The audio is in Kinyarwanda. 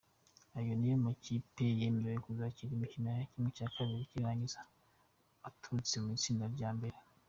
Aya niyo makipe yemerewe kuzakina imikino ya ½ cy’irangiza aturutse mu itsinda rya mbere.